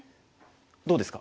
どうですか？